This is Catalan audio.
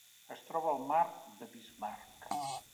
Es troba al Mar de Bismarck.